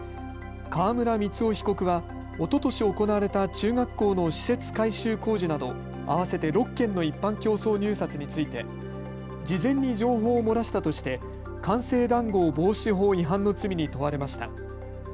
川村光男被告はおととし行われた中学校の施設改修工事など合わせて６件の一般競争入札について事前に情報を漏らしたとして官製談合防止法違反の罪に問われました。